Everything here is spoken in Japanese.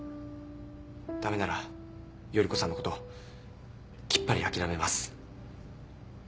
駄目なら依子さんのこときっぱり諦めます。